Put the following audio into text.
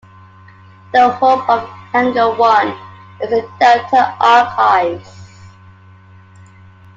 The "hub" of Hangar One is the Delta Archives.